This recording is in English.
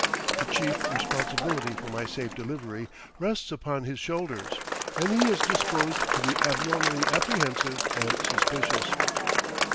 The chief responsibility for my safe delivery rests upon his shoulders, and he is disposed to be abnormally apprehensive and suspicious.